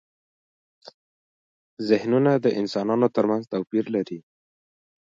زهنونه د انسانانو ترمنځ توپیر لري.